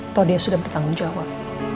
atau dia sudah bertanggung jawab